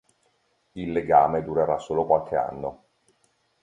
Il legame durerà solo qualche anno.